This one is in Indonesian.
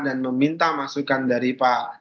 dan meminta masukan dari pak